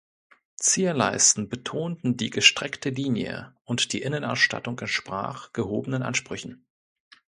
Zierleisten betonten die gestreckte Linie, und die Innenausstattung entsprach gehobenen Ansprüchen.